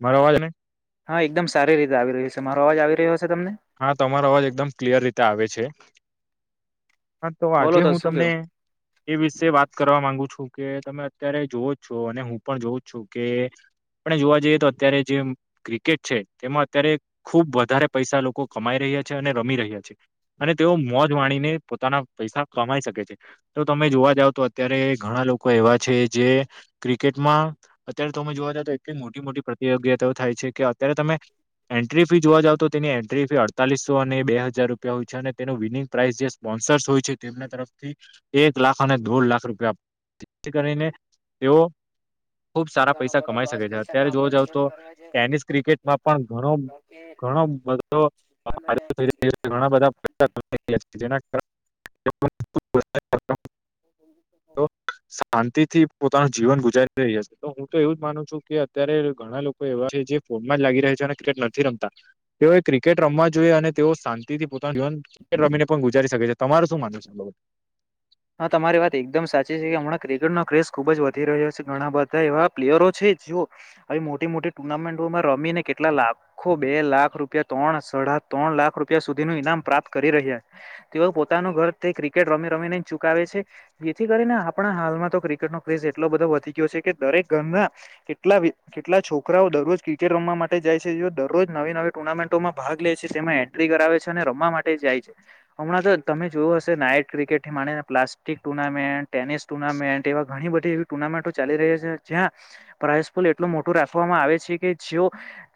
મારો અવાજ નહી હા એકદમ સારી રીતે આવી રહ્યું છે મારો અવાજ આવી રહ્યો છે. તમને હા તમારો અવાજ એકદમ ક્લિયર રીતે આવે છે. હા તો બોલો આજે હું શું તમને કેવો એ વિશે વાત કરવા માંગુ છું કે તમે અત્યારે જોવો જ છો અને હું પણ જોઉં જ છું કે આપણે જોવા જઈએ તો અત્યારે જે ક્રિકેટ છે તેમાં અત્યારે ખુબ વધારે પૈસા લોકો લોકો કમાઈ રહ્યા છે અને રમી રહ્યા છે અને તેઓ મોજ માણીને પોતાના પૈસા કમાઈ શકે છે. તો તમે જોવા જાવ તો અત્યારે ઘણા લોકો એવા છે જે ક્રિકેટમાં અત્યારે તમે જોવાં જાવ તો એટલી મોટી મોટી પ્રતિયોગતાઓ થાય છે કે અત્યારે તમે એન્ટ્રી ફી જોવા જાવ તો તેની ફી અડતાલીસો અને બે હજાર રૂપિયા હોય છે અને તેનું વિનિંગ પ્રાઇસ જે સ્પોન્સર્સ હોય છે તેમના તરફથી એક લાખ અને દોઢ લાખ રૂપિયાથી કરીને તેઓ ખુબ સારા પૈસા કમાઈ શકે છે અત્યારે જોવા જાવ તો ટેનિસ ક્રિકેટમાં પણ ઘણો ઘણો [inaudible] ઘણા બધા [inaudible] [inaudible] શાંતિથી પોતાના જીવન ગુજારી રહ્યા છે તો હું તો એવું જ માનું છું કે અત્યારે ઘણા લોકો એવા છે જે ફોનમાં જ લાગી રહ્યા છે અને નથી રમતા તેઓએ ક્રિકેટ રમવા જોઈએ અને તેઓ શાંતિથી પોતાનું જીવન ક્રિકેટ રમીને પણ ગુજારી શકે છે. તમારું શું માનવ છે બઉ? હા તમારી વાત એકદમ સાચી છે કે હમણાં ક્રિકેટનો ક્રેઝ ખુબ જ વધી રહ્યો છે ઘણા બધા એવા પ્લેયરો છે આવી મોટી મોટી ટુર્નામેન્ટોમાં રમીને કેટલા લાખો બે લાખ રૂપિયા ત્રણ સડા ત્રણ લાખ રૂપિયા સુધીનું ઈનામ પ્રાપ્ત કરી રહ્યા. તેઓ પોતાનું ઘર તે ક્રિકેટ રમી રમીને ચુકાવે છે જેથી કરીને આપણા હાલમાં તો ક્રિકેટનો ક્રેઝ એટલો બધો વધી ગયો છે કે દરેક ઘરના કેટલા કેટલા છોકરાઓ દરરોજ ક્રિકેટ રમવા માટે જાય છે જે દરરોજ નવી નવી ટુર્નામેન્ટોમાં ભાગ તેમાં એન્ટ્રી કરાવે છે અને રમવા માટે જાય છે હમણાં તો તમે જોયું હશે નાયટ ક્રિકેટ થી મને પ્લાસ્ટિક ટુર્નામેન્ટ ટેનિસ ટુર્નામેન્ટ એવા ઘણી બધી એવી ટુર્નામેન્ટો ચાલી રહી છે જ્યાં પ્રાઈઝ પણ એટલું મોટું રાખવામાં આવે છે કે જેઓ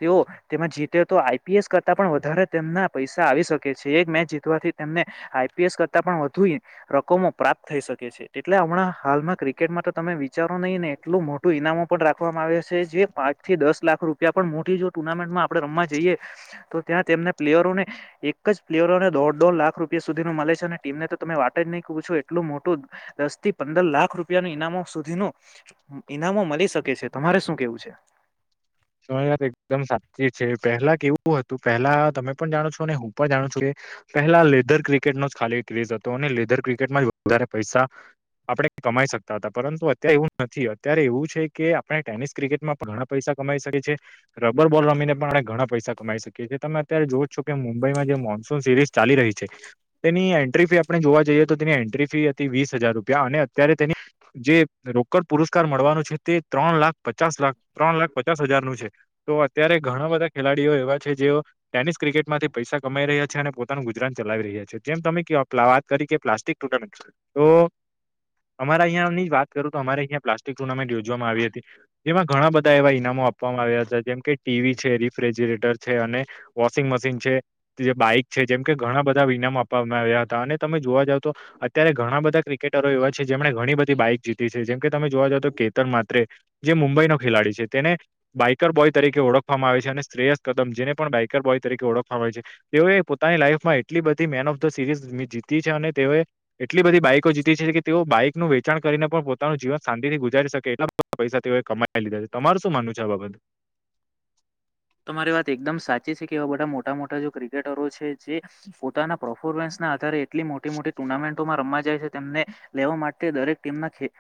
તેઓ તેમાં જીતે તો આઈપીએસ કર પણ વધારે તેમના પૈસા આવી શકે છે એક મેચ જીતવાથી તેમને આઈપીએસ કરતા પણ વધુ રકમો પ્રાપ્ત થઈ શકે છે એટલે હમણાં હાલમાં ક્રિકેટમાં તો તમે વિચારો નહીને એટલું મોટું ઇનામો પણ રાખવામાં આવે છે જે પાંચ થી દસ લાખ રૂપિયા પણ મોટી જો ટુર્નામેન્ટમાં આપડે રમવા જઈએ તો ત્યાં તેમને પ્લેયરોને એક જ પ્લેયરોને દોઢ દોઢ લાખ રૂપિયા સુધીનું મલે છે અને ટીમને તો તમે વાત જ નહી પછો એટલું મોટું દસ થી પંદર લાખ રૂપિયા નું ઈનામો સુધી નું ઇનામો મલી શકે છે તમારે શું કેવું છે? [inaudible] તમારી વાત એકદમ સાચી છે પહેલા કેવું હતું પેલા તમે પણ જાણો છો અને હું પણ જાણું છું કે પહેલા લેધર ક્રિકેટ નો જ ખાલી ક્રેઝ હતો અને લેધર ક્રિકેટમાં વધારે પૈસા આપણે કમાઈ શકતા હતા પરંતુ અત્યારે એવું નથી અત્યારે એવું છે કે આપણે ટેનિસ ક્રિકેટમાં ઘણા પૈસા કમાઇ શકે છે રબર બોલ રમીને પણ આપણે ઘણા પૈસા કમાઈ શકીએ છીએ તમે અત્યારે જો છો કે મુંબઈમાં જે સિરીઝ ચાલી રહી છે તેની એન્ટ્રી ફી આપણે જોવા જઈએ તો તેની એન્ટ્રી ફી હતી વીસ હજાર રૂપિયા અને અત્યારે તેની જે રોકડ પુરસ્કાર મળવાનું છે તે ત્રણ લાખ પચાસ લાખ ત્રણ લાખ હજાર છે તો અત્યારે ઘણા બધા ખેલાડીઓ એવા છે જે ટેનિસ ક્રિકેટ માંથી પૈસા કમાઈ રહ્યા છે પોતાનું ગુજરાન ચલાવી રહ્યા છે જેમ તમે [inaudible] વાત કરી કે પ્લાસ્ટિક ટુનામેન્ટ તો અમારા અહીંયાંની જ વાત કરું તો અમારે અહીંયાં પ્લાસ્ટિક ટુર્નામેન્ટ યોજવામાં આવી હતી જેમાં ઘણા બધા એવા ઈનામો આપવામાં આવ્યા તા જેમ કે ટીવી છે રિફ્રિજીરેટર છે અને વોશિંગ મશીન છે બાઈક છે જેમ કે ઘણા બધા ઈનામો આપવામાં આવ્યા હતા અને તમે જોવા જાવ તો અત્યારે ઘણા બધા ક્રિકેટરો એવા જેમણે ઘણી બધી બાઈક જીતી છે જેમ કે તમે જોવા જાવ તો કેતન માત્રે જે મુંબઈ નો ખેલાડી છે તેને બાઈકર બોય તરીકે ઓળખવામાં આવે છે અને શ્રેયસ કદમ જેને પણ બાઈકર બોય તરીકે ઓળખવામાં આવે છે તેઓએ પોતાની લાઈફમાં એટલી બધી મેન ઓફ ધ સિરીઝ જીતી છે અને તેઓએ એટલી બધી બાઈકો જીતી છે કે તેઓ બાઇક નું વેચાણ કરીને પણ પોતાનું જીવન શાંતિથી ગુજારી શકે એટલા બધા પૈસા તેઓએ કમાઈ લીધા છે. તમાર શું માનું છે આ બાબતે? તમારી વાત એકદમ સાચી છે કે એવા બધા મોટા મોટા જો ક્રિકેટરો છે જે પોતાના પરફોર્મન્સ ના આધારે એટલી મોટી મોટી ટુર્નામેન્ટોમાં રમવા જાય છે તેમને લેવા માટે દરેક ટીમના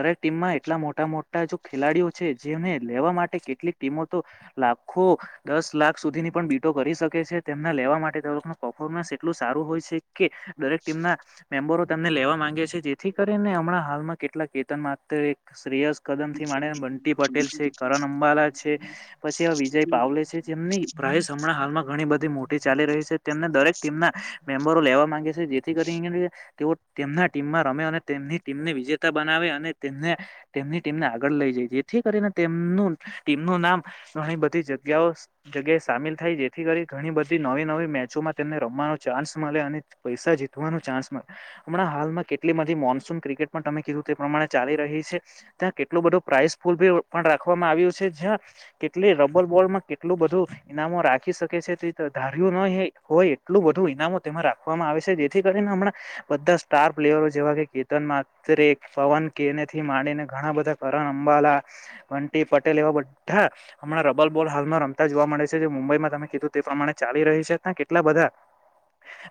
દરેક ટીમમાં એટલા મોટા મોટા જો ખેલાડીઓ છે જેને લેવા માટે કેટલીક ટીમો તો લાખો દસ લાખ સુધીની પણ બીટો કરી શકે છે તેમના લેવા માટે પફોર્મન્સ એટલ સારું હોય છે કે દરેક ટીમ ના મેમ્બરો તેમને લેવા માંગે છે જેથી કરીને હમણાં હાલમાં કેટલા કેતન માત્રે એક શ્રેયસ કદમ થી માને બંટી પટેલ છે કરણ અંબાલા છે પછી એ વિજય પાવલે છે જેમની પ્રાય હમણાં હાલમાં ઘણી બધી મોટી ચાલી રહી છે તેમને દરેક ટીમના મેમ્બરો લેવા માંગે છે જેથી કરી તેઓ તેમના ટીમમાં રમે અને તેમની ટીમને વિજેતા બનાવે અને તેમને તેમની ટીમને આગળ લઈ જઈ.. જે થી કરીને તેમનું ટીમ નું નામ ઘણી બધી જગ્યા જગ્યાએ સામેલ થાય જેથી કરી ઘણી બધી નવી નવી મેચોમાં મને રમવાનો ચાન્સ મળે અને પૈસા જીતવા નો ચાન્સ મળે, હમણાં હાલમાં કેટલી મોનસુન ક્રિકેટ તમે કીધું તે પ્રમાણે ચાલી રહી છે ત્યાં કેટલું બધું પ્રાઇસ ફુલ પણ રાખવામાં આવ્યું છે જ્યાં કેટલી રબ્બલ બોલમાં કેટલું બધું ઈનામો રાખી શકે છે તે ધાર્યું ન હોય એટલું બધું ઈનામો તેમાં રાખવામાં આવે છે જેથી કરીને હમણાં બધા સ્ટાર પ્લેયરો જેવા કે કેતન મા પવન કે, નેથી માંડીને ઘણા બધા કરણ અંબાલા, વંટી પટેલ એવા બધા હા હમણાં રબ્બલ બોલ હાલમાં રમતા જોવા મળે છે જે મુંબઈ માં તમે કીધું તે પ્રમાણે ચાલી રહી છે કેટલા બધા હમ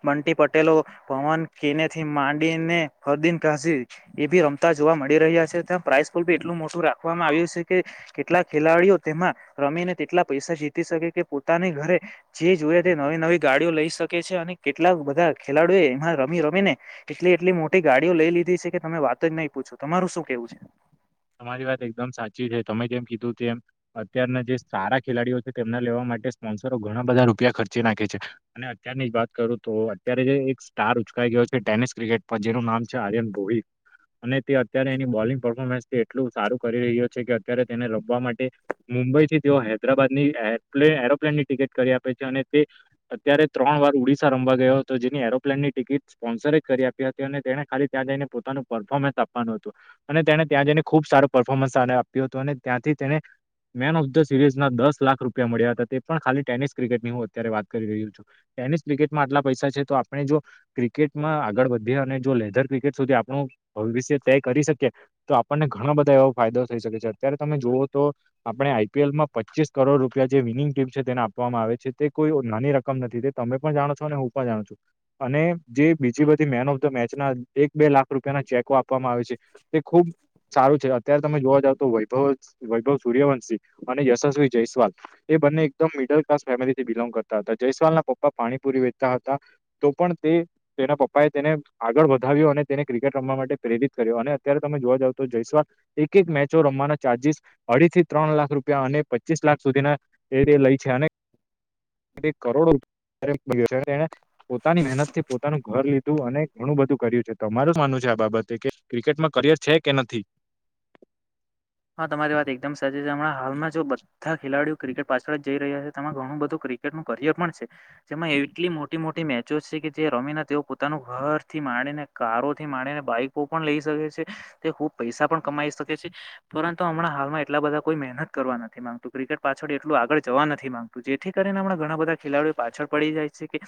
બંટી પટેલો, પવન કેને, થી માંડીને ફરદીન કરસી એભી રમતા જોવા મળી રહ્યા છે ત્યાં પ્રાઇસલી એટલું મોટું રાખવામાં આવ્યું છે કે કેટલાક ખેલાડીઓ તેમાં રમીને તેટલા પૈસા જીતી શકે કે પોતાની ઘરે જે જોઈ તે નવી નવી ગાડીઓ લઈ શકે છે અને કેટલા બધા ખેલાડીઓ એમાં રમી રમી ને એટલી એટલી મોટી ગાડીઓ લઈ લીધી. છે કે તમે વાત જ નહીં પૂછો તમારું શું કેવું છે. તમારી વાત એકદમ સાચી છે તમે જેમ કીધુંતેમ અત્યારના જે સારા ખેલાડીઓ છે તેમને લેવા મ સ્પોન્સરો ઘણા બધા રૂપિયા ખર્ચી નાખે છે, અને અત્યારની જ વાત કરું તો અત્યારે જે એક સ્ટાર છો કરો ટેનિસ ક્રિકેટ પર જેનું નામ છે આર્યન ભોહી અને તે અત્યારે એની બોલિંગ પરફોર્મન્સ એટલું સારું કરી રહ્યો છે કે અત્યારે તેને રમવા માટે મુંબઈથી તેઓ હૈદરાબાદ ની એરપ્લેટ એરોપ્લેન ની ટિકિટ કરી આપે છે, અને તે અત્યારે ત્રણ વાર ઓડિશા રમવા ગયો હતો જેની એરોપ્લેન ની ટિકિટ ટ સ્પોન્સરે જ કરી આપી હતી અને તેને ખાલી ત્યાં જઈને પોતાનું પરફોર્મન્સ આપવાનું હતું અને તેને ત્યાં જઈને ખુબ સારો પર્ફોર્મન્સ આને આપ્યું હતું અને ત્યાંથી તેને મેન ઓફ ધ સિરીઝના દસ લાખ રૂપિયા મળ્યા હતા તે પણ ખાલી ટેનિસ ક્રિકેટની હું અત્યારે વાત કરી રહ્યો છું. ટેનિસ ક્રિકેટમાં આટલા પૈસા છે તો આપણે જો ક્રિકેટમાં આગળ વધીએ અને જો લેધર ક્રિકેટ સુધી આપણું ભવિષ્ય તય કરી શકીએ તો આપ આપને ઘણા બધા એવો ફાયદો થઈ શકે છે અત્યારે તમે જુઓ તો આપણે આઈપીએલમાં પચીસ કરોડ રૂપિયા જે વિનિંગ ટીપ છે તેને આપવામાં આવે છે તે કોઈ નાની રકમ નથી તે તમે પણ જાણો છો અને હું પણ જાણું છું અને જે બીજી બધી મેન ઓફ ધ મેચ ના એક બે લાખ રૂપિયા ના ચેકો આપવામાં આવે છે તે ખુબ સારું છે અત્યારે તમે જોવા જાવ તો વૈભવ વૈભવ સૂર્યવંશિં અને યશસ્વી જયસ્વાલ એ બંને એકદમ મિડલ ક્લાસ ફેમિલીથી બિલોંગ કરતા હતા જયસ્વાલના પપ્પા પાણીપુરી વહેચતા હતા તો પણ તે તેના પપ્પા એ તેને આગળ વધાવ્યો અને તેને ક્રિકેટ રમવા માટે પ્રેરિત કર્યો અને અત્યારે તમે જોવા જાવતો તો જયસ્વાર એક એક મેચો રમવાના ચાર્જસ અઢી થી ત્રણ લાખ રૂપિયા અને પચીસ લાખ સુધીના એ લઈ છે અને કરોડો રૂપિયાના [inaudible] છે એને પોતાની મહેનત થી પોતાનું ઘર લીધું અને ઘણું બધું કર્યું છે તો તમાઅરું હુ માનવું છે આ બાબતે કે ક્રિકેટમાં કરિયર છે કે નથી? હા તમારી વાત એકદમ સાચી છે હમણાં હાલમાં જો બધા ખેલાડીઓ ક્રિકેટ પાછળ જઈ રહ્યા હે તે તમા ઘણુંબધું ક્રિકેટમાં કરિયર પણ છે જેમાં એટલી મોટી મોટી મેચો છે કે જે રમીના તેઓ પોતાનું ઘરથી માણીને કારો થી માડીને બાઈકો પણ લઈ શકે છે તે ખુબ પૈસા પણ કમાઈ શકે છે. પરંતુ હમણાં હાલમાં એટલા બધા કોઈ મહેનત કરવા નથી માંગતું ક્રિકેટ પાછળ એટલું આગળ જવા નથી માંગતું જેથી કરી ઘણા બધા ખેલાડીઓ પાછળ પડી જાય છે કે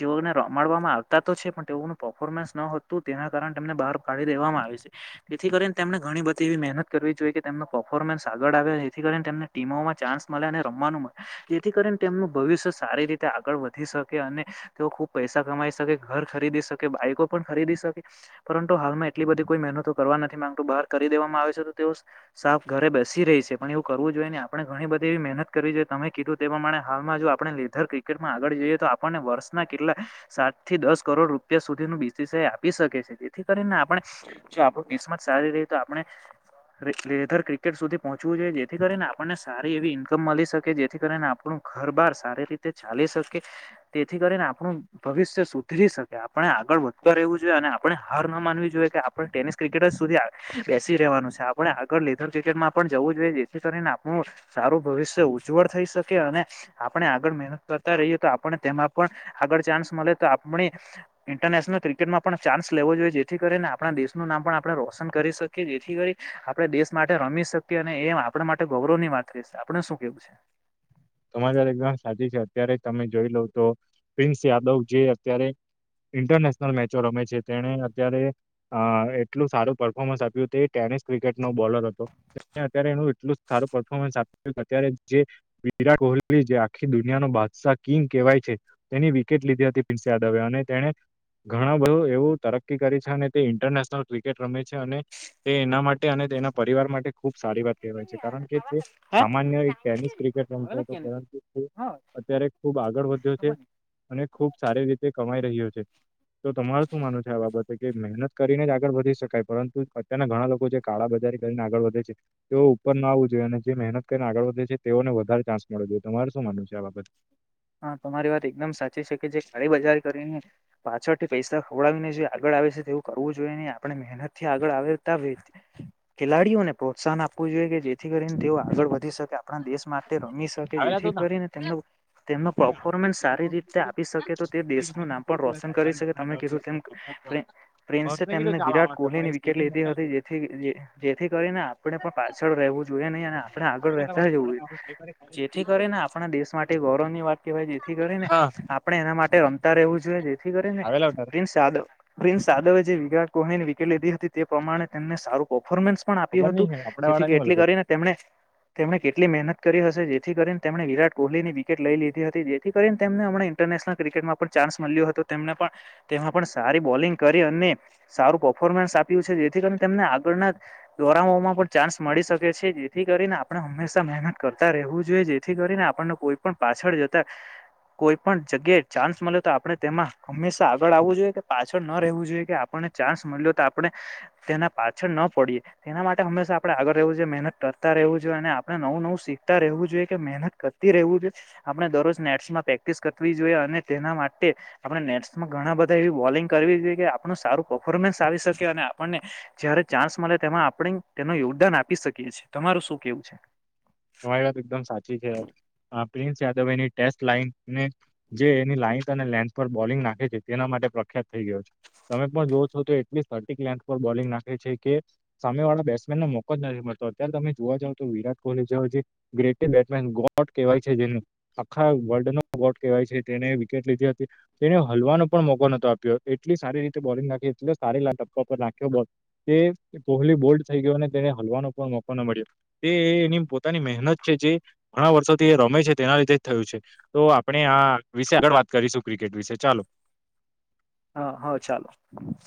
જેઓને રમાડવામાં આવતા તો છે પણ તેઓ પફોર્મમ ર્મેન્સ ન હતું તેના કારને બહાર કાઢી દેવામાં આવે છે જેથી કરીને તેમને ઘણી બધી એવ મહેનત કરવી જોઈ કે તેમ પફોર્મન્સ આગળ આવે જેથીને ટીમોમાં ચાન્સ મળે અને રમવાનું મળે જેથી કરીને તેમનું ભવિષ્ય સારી રીતે આગળ વધી શકે અને તેઓ ખુબ પૈસા કમાઈ શકે, ઘર ખરીદી શકે બાઈકો પણ ખરીદી શકે, પરંતુ હાલમાં એટલી બધી કોઈ મહેનતુ કરવા નથી માંગતું બહાર કરી દેવામાં આવે છે. તેઓ સાફ ઘરે બેસી રહી છે, પણ એવું કરવું જોઈએ ને આપણે ઘણી બધી એવી મહેનત કરવી જોઈએ તમે કીધું તેવા પ્રમાણે હાલમાં જો આપણે લેધ ક્રિકેટમાં આગળ જઈએ તો આપણને વર્ષના કેટલા સાત થી દસ કરોડ રૂપિયા સુધીના તો બીસીસીઆ આપી શકે છે તેથી કરીને આપણે જો આપણ કિસ્મત સારી રહી તો આપણે લેધર ક્રિકેટ સુધી પહોંચવું જોઈએ જેથી કરીને આપણને સારી એવી ઈન્કમ મળી શકે જેથી કરીને આ આપણું ઘર બાર સારી રીતે ચાલી શકે તેથી કરીને આપણું ભવિષ્ય સુધરી શકે આપ આપ આગળ વધતો રહેવું જોઈએ અને આપણે હાર ના માનવી જોઈએ કે આપણે ટેનિસ ક્રિકેટર સુધી બેસી રહેવાનું છે. આપણે આગળ લેધર ક્રિકેટમાં પણ જવું જોઈએ જેથી કરીને આપણું સારું ભવિષ્ય ઉજ્જવળ થઈ શકે અને આપણે આગળ મહેનત કરતા રહીએ તો આપને તેમાં પણ આગળ ચાન્સ મળે તો આપણી ઇન્ટરનેશનલ ક્રિકેટમાં પણ ચાન્સ લેવો જોઈએ જેથી કરીને આપણા દેશનું નામ પણ આપણે રોશન કરી શકીએ જેથી કરી આપડે દેશ માટે રમી શકીએ અને એ આપણે માટે ગૌરવની વાત કરીશ આપડ શું કેવું છે? તમારી વાત એકદમ સાચી છે અત્યારે તમે જોઈ લો તો પ્રિન્સ યાદવ જે અત્યારે ઇન્ટરનેશનલ મેચો રમે છે તેને અત્યારે અ એટલું સારું પરર્ફોર્મન્સ આપ્યું તે બોલર હતો એ એટલું સારું ફોર્મન્સ આપ્યું અત્યારે જે વિરાટ કોહલી જે આખી દુનિયાનો બાદશાહ કિંગ કહેવાય છે તેની વિકેટ લીધી હતી પ્રિન્સ યાદવે અને એણે. ઘણા બધું એવું તરકી કરે છે અને તે ઇન્ટરનેશનલ ક્રિકેટ રમે છે અને તે એના માટે અને તેના પરિવાર માટે ખુબ સારી વાત કહેવાય છે કારણ કે તે હા સામાન્ય ટેનિસ ક્રિકેટ [unintelligible] હા અત્યારે ખૂબ આગળ વધ્યો છે અને ખૂબ સારી રીતે કમાઈ રહ્યો છે. તો તમાર શું માનું છે આ બ છેકે મહેનત કરીને જ આગળ વધી શકાય પરંતુ અત્યારના ઘણા લોકો જે કાળા બજારી કરીને આગળ વધે છે. તેઓ ઉપર ન આવવું જોએ અને જે મહેનત કરીને આગળ વધે છે તેઓને વધારે ચાન્સ તમારે શું માનવું છે આ બાબતે? હા, તમારી વાત એકદમ સાચી છેકે જે કાળી બજાર કરીને પાછળથી પૈસા ખવડાવીને જે આગળ તેવું કરવું જોઈએ ન આપણે મહેનતથી આગળ આવેતા ખેલાડીઓને પ્રોત્સાહન આપવું જેથી કરીને તેઓ આગળ વધી શકે આપણા દેશ માટે રમી શકે જેથી બાબત? કરીને તેમનો તેમના પરફોર્મન્સ સારી રીતે આપી શકે તો તે ઘરથી દેશનું નામ પણ કીધું રોશન કરી શકે તમે કીધું તેમ. પ્રિન્સે તેમને ચાલ વિરાટ આવવાનું પણ કોહલીની એ વિકેટ સ્કૂલથી લીધી મોડા હતી જે જેથી કરીને આપણે પણ પાછળ રહેવું જોઈએ નહી અને આપણે આગળ આવેલા હતા, રહેતા મોડે જવું જોઈએ જેથી સાયકલ કરીને આપણા દેશ મા ગૌરવની વાત કેવાય જેથી કરીને હા આપણે એના માટે રમતા રહેવું જોઈએ. કરીને આવેલા તાર પ્રિન્સ યાદવ પ્રિન્સ યાદવે જે વિરાટ કોહલીની વિકેટ લીધી હતી. તે પ્રમાણે તેમને સારું પફોર્મન્સ પણ ખબર આપ્યું હતું નઈ આપડા જેથી વાળા કે ની મલે એટલી કરીને તેમને તેમણે કેટલી મહેનત કરી હશે જેથી કરીને તેમને વિરાટ કોહલીની વિકેટ લઈ લીધી હતી જેથી કરીને તેમને હમ ઇન્ટરનેશનલ ક્રિકેટમાં પણ ચાન્સ મળ્યો હતો તેમને પણ તેમાં પણ સા સારી બોલિંગ કરી અને સારું પર્ફોર્મન્સ આપ્યું છે જેથી કરીને તેમને આગળના દોરાવામાં પણ ચાન્સ મળી શકે છે જેથી કરીને આપણે હંમેશા મહેનત કરતા રહેવું જોઈએ જેથી કરીને આપણને કોઈ પણ પાછળ જતા કોઈ પણ જગ્યાએ ચાન્સ મળે તો આપણે તેમાં હંમેશા આગળ આવવું જોઈએ કે પાછળ ન રહેવું જોઈએ કે આપ ચાન્સ મળ્યો તો આપણે તેના પાછળ ન પડીએ તેના માટે હંમેશા આપણે આગળ રહેવું જોએ મહેનત રહેવું જોઈએ અને આપડણે નવું નવું શીખતા રહેવું જોઈએ કે મહેનત કરતી રહેવું જોઈ આપણે દરરોજ નેટ્સમાં પ્રેક્ટિસ કરવી જોઈએ અને તેના માટે આપણે નેટ્સમાં ઘણા બધા એવી બોલ બોલિંગ કરવી જોઈએ કે આપણું સારું પફોર્મન્સ આવી શકે અને આપને જયારે ચાન્સ મળે તે આપ યોગદાન આપી શકીએ છીએ તમારું શું કેવું છે? તમારી વાત એકદમ સાચી છે. પ્રિન્સ યાદવ એની ટેસ્ટ લાઈન ને જે એની લાઈથ અને લેન્થ પર બોલિંગ નાખે છે તેના માટે પ્રખ યાત થઈ ગયો છે. તમે પણ જો છો તો એટલી સર્ટિક લેન્થ પર બોલિંગ નાખે છે કે સામે વાળા બેટ્સમેનને મોકો જ નથી મળ તો અત્યારે તમે જોવા જાવ તો વિરાટ કોહલી જે ગ્રેટ બેટ્સમેન ગોટ કહેવાય છે જે આખા વર્લ્ડ નો ગોટ કહેવાય છે તેને હતી તેને હલવાનો પણ મોકો નતો આપ્યો એટલી સારી રીતે બોલિંગ નાખી એ સ ટપકા પર કોહલી બોલ્ટ થઈ ગયો અને તેને હલવાનો પણ મોકો ન મળ્યો તે એ પોતાની મહેનત છે જે ઘણા વર્ષોથી રમે છે તેના લીધે જ થયું છે તો આપણે આ વિશે આગળ વાત કરી સુકરી. હા હ, ચાલો.